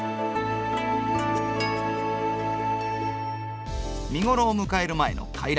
見頃を迎える前の偕楽園。